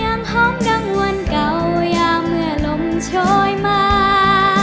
ห้องดังวันเก่ายาเมื่อลมโชยมา